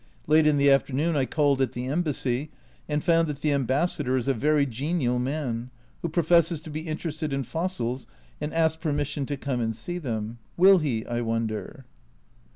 Late in the afternoon I called at the Embassy, and found that the Ambassador is a very genial man, who professes to be interested in fossils and asks permission to come and see them. Will he, I wonder?